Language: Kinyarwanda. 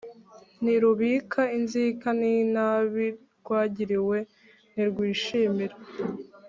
Ntirubika inzika y inabi rwagiriwe Ntirwishimira